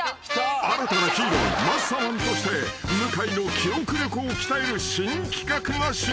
新たなヒーローマッサマンとして向井の記憶力を鍛える新企画が始動］